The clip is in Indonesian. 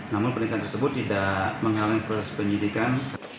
namun pertingkahan tersebut tidak menghalang perpenyidikan